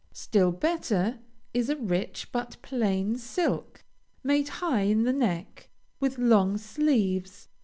Still better is a rich but plain silk, made high in the neck, with long sleeves.